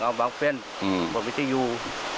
น้าวบังเบ้นหมดมีที่อยู่